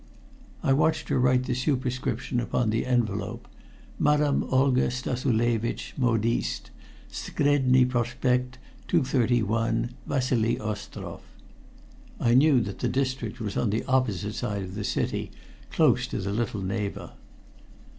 I watched her write the superscription upon the envelope: "Madame Olga Stassulevitch, modiste, Scredni Prospect, 231, Vasili Ostroff." I knew that the district was on the opposite side of the city, close to the Little Neva.